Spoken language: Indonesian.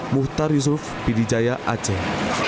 muhtar yusuf pidijaya aceh